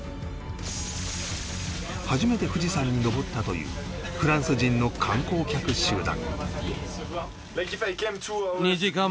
初めて富士山に登ったというフランス人の観光客集団